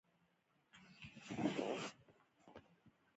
که خبره له نوک او ورۍ څخه ووته؛ بیا خوند نه کوي.